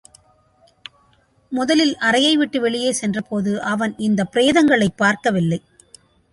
முதலில் அறையை விட்டு வெளியே சென்றபோது அவன் இந்தப் பிரதங்களைப் பார்க்கவில்லை.